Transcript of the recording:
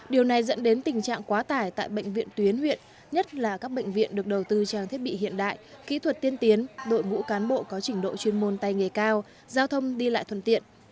điều này dẫn đến tình trạng quá tải tại bệnh viện tuyến huyện nhất là các bệnh viện được đầu tư trang thiết bị hiện đại kỹ thuật tiên tiến đội ngũ cán bộ có trình độ chuyên môn tay nghề cao giao thông đi lại thuận tiện